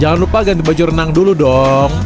jangan lupa ganti baju renang dulu dong